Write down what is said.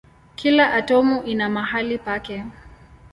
Kila atomu ina mahali pake.